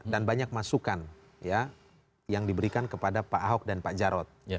dan banyak masukan yang diberikan kepada pak ahok dan pak jarod